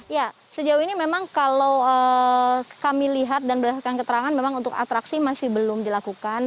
ya sejauh ini memang kalau kami lihat dan berdasarkan keterangan memang untuk atraksi masih belum dilakukan